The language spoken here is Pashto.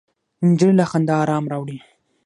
نجلۍ له خندا ارام راوړي.